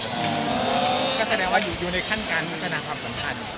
ก็แสดงว่าอยู่ในขั้นการพัฒนาความสัมพันธ์